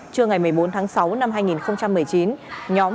trưa ngày một mươi bốn tháng sáu năm hai nghìn một mươi chín